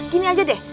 gini aja deh